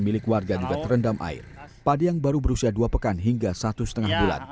milik warga juga terendam air pada yang baru berusia dua pekan hingga satu setengah bulan